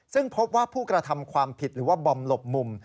ซึ่งพบว่าผู้กระทำความผิดหรือว่าบอมหลบมุม